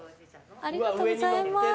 ありがとうございます。